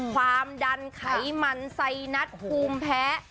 ความดันไขมันไซนัสภูมิแพ้